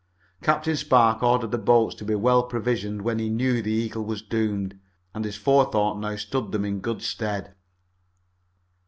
Captain Spark had ordered the boats to be well provisioned when he knew the Eagle was doomed, and his forethought now stood them in good stead.